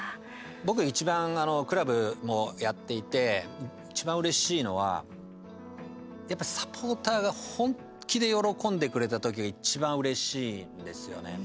僕、いちばんクラブもやっていていちばんうれしいのはやっぱサポーターが本気で喜んでくれた時がいちばんうれしいんですよね。